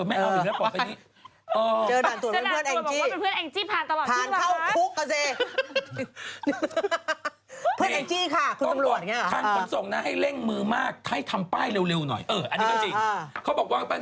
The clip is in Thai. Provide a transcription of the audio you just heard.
แม่งยังไม่รับปอกไปนี้